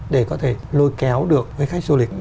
để có thể lôi kéo được với khách du lịch